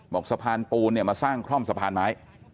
สะพานปูนเนี่ยมาสร้างคล่อมสะพานไม้